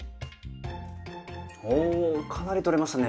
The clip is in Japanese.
おおかなり取れましたね。